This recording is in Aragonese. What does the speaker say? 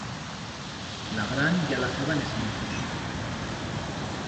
La gran ya la feban es mozos.